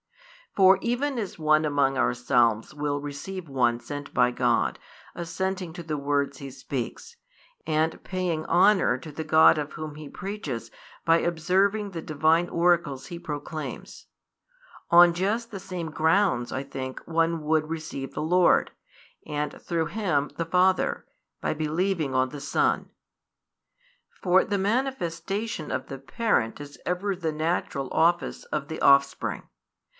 For even as one among ourselves will receive one sent by God, assenting to the words he speaks, and paying honour to the God of Whom he preaches by observing the Divine oracles he proclaims; on just the same grounds I think one would receive the Lord, and through Him the Father, by believing on the Son. For the manifestation of the |193 parent is ever the natural office of the offspring.